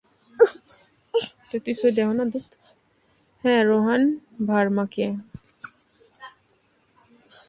হ্যাঁঁ, রোহান ভার্মাকে।